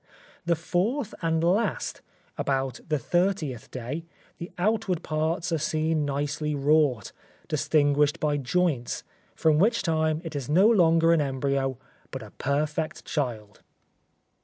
The fourth, and last, about the thirtieth day, the outward parts are seen nicely wrought, distinguished by joints, from which time it is no longer an embryo, but a perfect child.